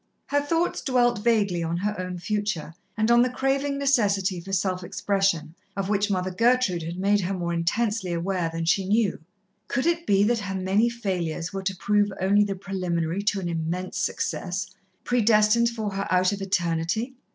Her thoughts dwelt vaguely on her own future, and on the craving necessity for self expression, of which Mother Gertrude had made her more intensely aware than she knew. Could it be that her many failures were to prove only the preliminary to an immense success, predestined for her out of Eternity?